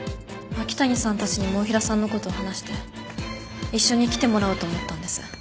秋谷さんたちにも太平さんの事を話して一緒に来てもらおうと思ったんです。